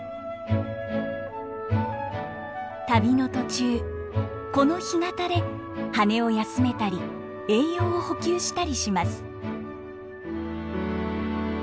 旅の途中この干潟で羽を休めたり栄養を補給したりします。